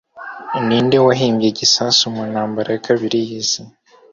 Ninde wahimbye igisasu mu ntambara ya kabiri y'isi?